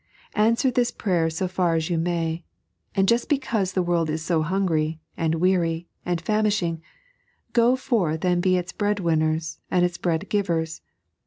Answer this prayer so far as you may ; and just because the world is so hungry, and weary, and famishing, go forth and be its bread winners and its bread gtvers.